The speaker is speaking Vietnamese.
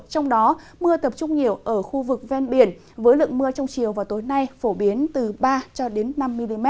trong đó mưa tập trung nhiều ở khu vực ven biển với lượng mưa trong chiều và tối nay phổ biến từ ba cho đến năm mm